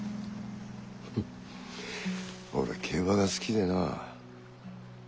フッ俺は競馬が好きでなあ。